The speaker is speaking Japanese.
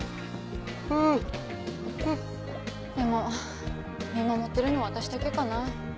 でも見守ってるの私だけかな。